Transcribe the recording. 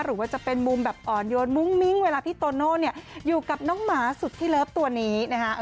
หรือว่าจะเป็นมุมแบบอ่อนโยนมุ้งมิ้งเวลาพี่โตโน่เนี่ยอยู่กับน้องหมาสุดที่เลิฟตัวนี้นะฮะ